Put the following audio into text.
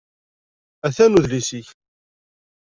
Atan udlis-ik.